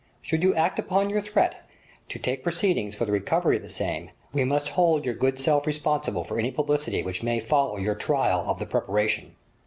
Should you act upon your threat to take proceedings for the recovery of the same, we must hold your good self responsible for any publicity which may follow your trial of the preparation.